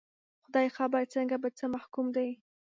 خدای خبر څنګه، په څه محکوم دي